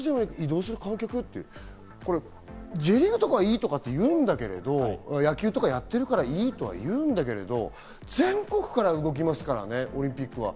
これ、スタジアムに移動する観客ってＪリーグとかはいいっていうんだけど、野球とかはやってるからいいとはいうんだけど、全国から動きますからね、オリンピックは。